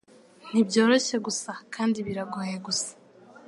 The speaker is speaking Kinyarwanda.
Nibyoroshye gusa kandi biragoye gusa. ”